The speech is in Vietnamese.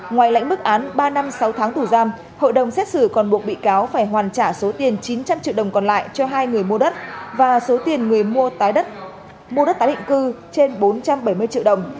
ngoài lãnh mức án ba năm sáu tháng tù giam hội đồng xét xử còn buộc bị cáo phải hoàn trả số tiền chín trăm linh triệu đồng còn lại cho hai người mua đất và số tiền người mua tái mua đất tái định cư trên bốn trăm bảy mươi triệu đồng